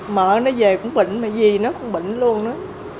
mợ nó về cũng bệnh mà dì nó cũng bệnh luôn đó